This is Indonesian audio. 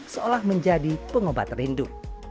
seolah menjadi pengobat rindu